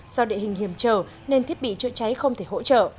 do địa hình hiểm trở nên thiết bị chữa cháy không thể hỗ trợ